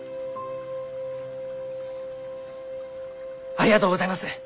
ありがとうございます！